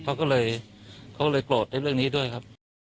เขาก็เลยโกรธในเรื่องนี้ด้วยครับ